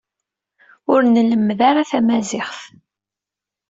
Ur nlemmed ara tamaziɣt.